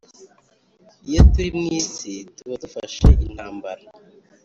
iyo turi mw isi tuba dufashe intambara